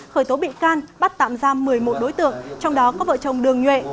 khởi tố bị can bắt tạm giam một mươi một đối tượng trong đó có vợ chồng đường nhuệ